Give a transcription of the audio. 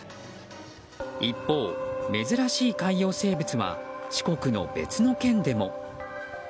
一方、珍しい海洋生物は四国の別の県でも。